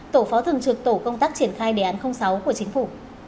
tổ phó thường trực tổ công tác triển khai đề án sáu của chính phủ